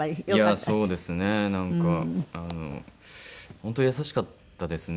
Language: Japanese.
本当に優しかったですね。